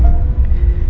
elsa sudah berhenti